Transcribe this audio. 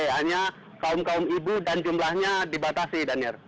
hanya kaum kaum ibu dan jumlahnya dibatasi danir